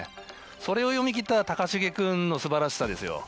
それを読みきった高重君の素晴らしさですよ。